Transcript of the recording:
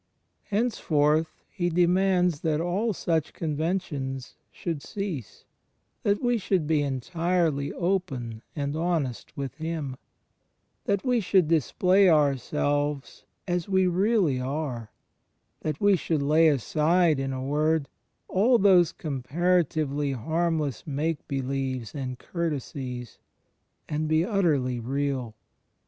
Henceforth ijohn vi : 3. CHRIST m THE INTERIOR SOITL I9 He demands that all such conventions shotdd cease; that we should be entirely open and honest with Him, that we should display ourselves as we really are — that we should lay aside, in a word, all those comparatively harmless make believes and courtesies, and be utterly real.